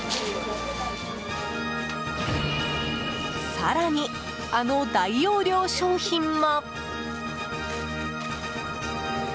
更に、あの大容量商品も！